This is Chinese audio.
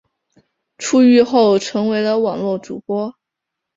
出狱后成为了网络主播。